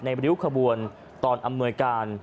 ริ้วขบวนตอนอำนวยการ